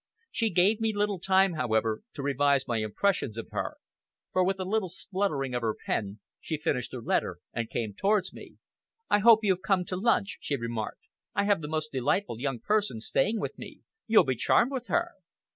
She gave me little time, however, to revise my impressions of her; for, with a little spluttering of her pen, she finished her letter and came towards me. "I hope you've come to lunch," she remarked; "I have the most delightful young person staying with me. You'll be charmed with her."